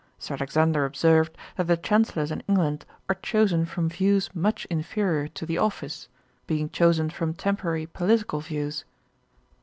Sir Alexander observed, that the Chancellors in England are chosen from views much inferiour to the office, being chosen from temporary political views.